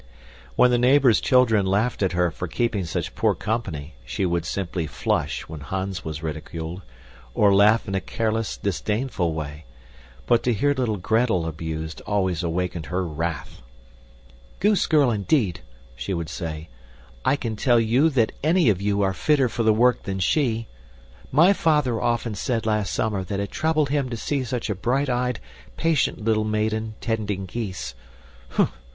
When the neighbors' children laughed at her for keeping such poor company, she would simply flush when Hans was ridiculed, or laugh in a careless, disdainful way, but to hear little Gretel abused always awakened her wrath. "Goose girl, indeed!" she would say. "I can tell you that any of you are fitter for the work than she. My father often said last summer that it troubled him to see such a bright eyed, patient little maiden tending geese. Humph!